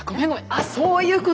あっそういうことか。